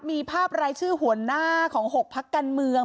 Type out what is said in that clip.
มีภาพรายชื่อหัวหน้าภาคการเมือง